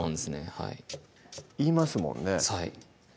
はいいいますもんね